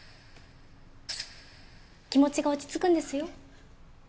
気持ちが落ち着くんですよ。